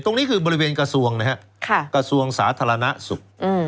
ตรงนี้คือบริเวณกระทรวงนะครับกระทรวงสาธารณสุข